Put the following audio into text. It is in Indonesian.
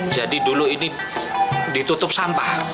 jadi dulu ini ditutup sampah